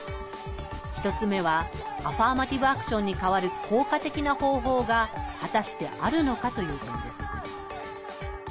１つ目は、アファーマティブ・アクションに代わる効果的な方法が果たしてあるのかという点です。